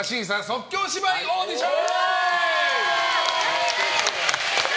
即興芝居オーディション！